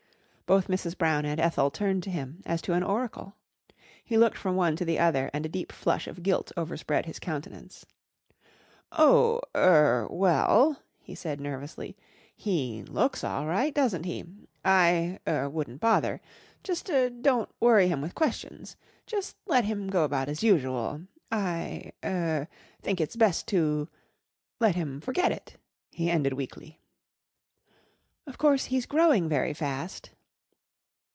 Both Mrs. Brown and Ethel turned to him as to an oracle. He looked from one to the other and a deep flush of guilt overspread his countenance. "Oh er well," he said nervously. "He looks all right, doesn't he? I er wouldn't bother. Just er don't worry him with questions. Just let him go about as usual. I er think it's best to let him forget it," he ended weakly. "Of course he's growing very fast."